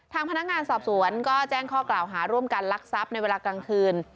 ทางพนักงานสอบสวนก็แจ้งข้อกล่าวหาร่วมกันลักทรัพย์ในเวลากลางคืน